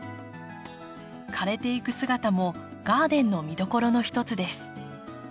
枯れていく姿もガーデンの見どころの一つです。